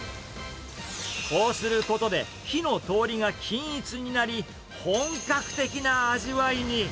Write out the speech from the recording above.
こうすることで、火の通りが均一になり、本格的な味わいに。